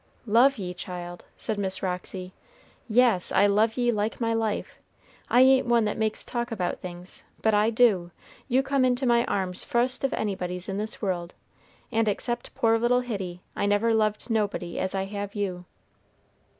"Love ye, child?" said Miss Roxy; "yes, I love ye like my life. I ain't one that makes talk about things, but I do; you come into my arms fust of anybody's in this world, and except poor little Hitty, I never loved nobody as I have you."